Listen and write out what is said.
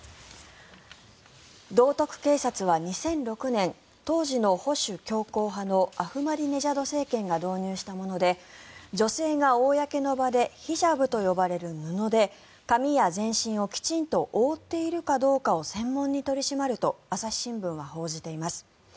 道徳警察は２００６年当時の保守強硬派のアフマディネジャド政権が導入したもので女性が公の場でヒジャブと呼ばれる布で髪や全身をきちんと覆っているかどうかを専門に取り締まると朝日新聞が報じています。